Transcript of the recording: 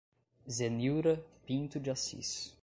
Zenilra Pinto de Assis